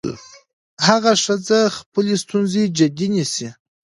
هغه ښځه خپلې ستونزې جدي نيسي.